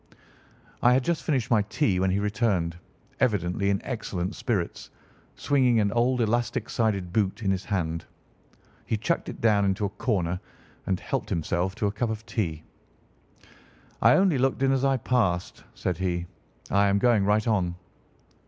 I had just finished my tea when he returned, evidently in excellent spirits, swinging an old elastic sided boot in his hand. He chucked it down into a corner and helped himself to a cup of tea. "I only looked in as I passed," said he. "I am going right on."